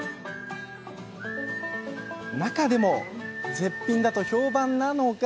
中でも絶品だと評判なのがはい。